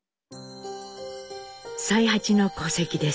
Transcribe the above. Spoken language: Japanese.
才八の戸籍です。